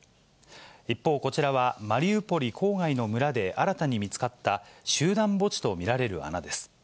一方、こちらはマリウポリ郊外の村で新たに見つかった、集団墓地と見られる穴です。